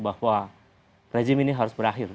bahwa rejim ini harus berakhir